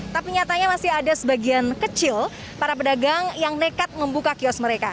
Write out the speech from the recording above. tapi nyatanya masih ada sebagian kecil para pedagang yang nekat membuka kios mereka